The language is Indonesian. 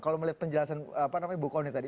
kalau melihat penjelasan bukoni tadi